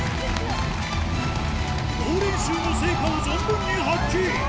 猛練習の成果を存分に発揮